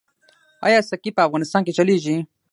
آیا سکې په افغانستان کې چلیږي؟